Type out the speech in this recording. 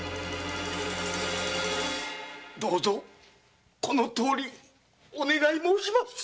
どうぞこのとおりお願い申します。